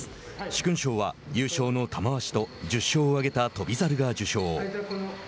殊勲賞は優勝の玉鷲と１０勝を挙げた翔猿が受賞。